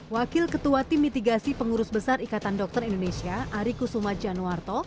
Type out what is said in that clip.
wakil ketua tim mitigasi pengurus besar ikatan dokter indonesia ari kusuma januarto